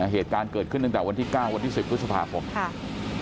เหตุการณ์เกิดขึ้นตั้งแต่วันที่๙วันที่๑๐พฤษภาคมค่ะ